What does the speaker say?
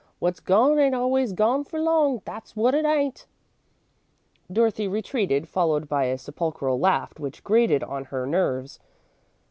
"Wot's gone ain't always gone for long, that's wot it ain't." Dorothy retreated, followed by a sepulchral laugh which grated on her nerves.